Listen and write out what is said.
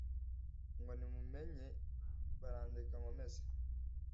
ngo nimumenya barandeka nkomeze